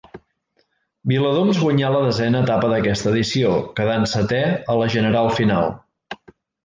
Viladoms guanyà la desena etapa d'aquesta edició, quedant setè a la general final.